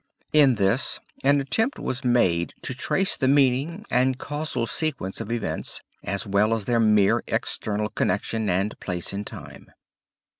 In this an attempt was made to trace the meaning and causal sequence of events as well as their mere external connection and place in time.